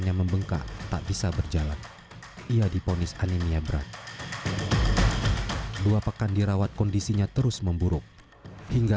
dan langsung dievakuasi ke penyelamatan satwa balai ksda jambi di mwarobungo